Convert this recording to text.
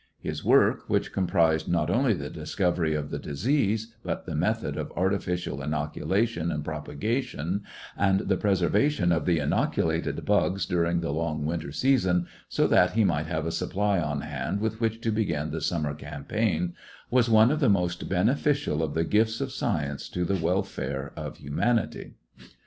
His work, which comprised not only the discovery of the disease, but the method of artificial in oculation and propagation, and the preserva tion of the inoculated bugs during the long winter season, so that he might have a supply on hand with which to begin the summer campaign, was one of the most beneficial of the gifts of science to the welfare of humanity.